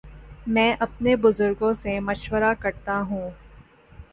میں اپنے بزرگوں سے مشورہ کرتا ہوں۔